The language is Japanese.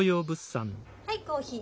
はいコーヒー。